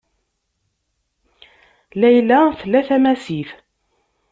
Layla tla tamasit.